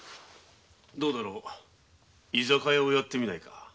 どうだろう居酒屋をやってみないか？